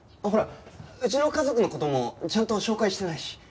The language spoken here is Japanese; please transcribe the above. ほらうちの家族の事もちゃんと紹介してないし。